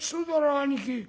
兄貴。